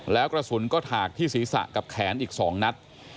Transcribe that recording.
แล้วกระสุนก็ถากที่ศีรษะกับแขนอีก๒นัด